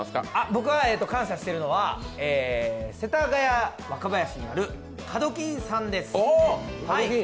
僕は感謝してるのは、世田谷若林にある角金さんです。